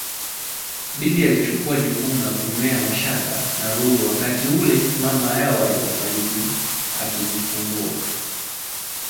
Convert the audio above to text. Bibi alilichukua jukumu la kumlea Mashaka na Lulu wakati ule mama yao alipofariki akijifungua